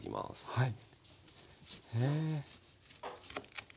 はい。